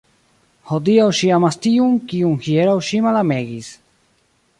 Hodiaŭ ŝi amas tiun, kiun hieraŭ ŝi malamegis!